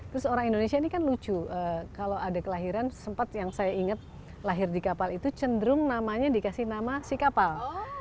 terus orang indonesia ini kan lucu kalau ada kelahiran sempat yang saya ingat lahir di kapal itu cenderung namanya dikasih nama si kapal